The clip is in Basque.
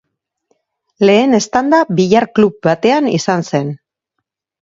Lehen eztanda billar klub batean izan zen.